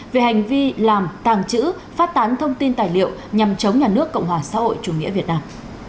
về hành vi làm tàng trữ phát tán thông tin tài liệu nhằm chống nhà nước cộng hòa xã hội chủ nghĩa việt nam